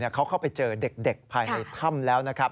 เขาเข้าไปเจอเด็กภายในถ้ำแล้วนะครับ